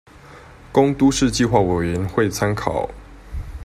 供都市計畫委員會參考